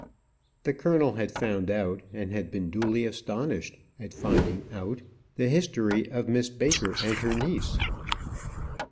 The colonel had found out, and had been duly astonished at finding out, the history of Miss Baker and her niece.